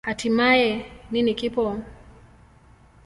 Hatimaye, nini kipo?